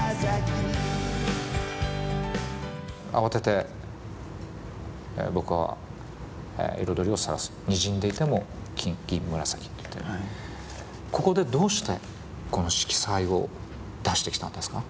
「あわてて僕は彩を探すにじんでいても金銀紫」ってここでどうしてこの色彩を出してきたんですか？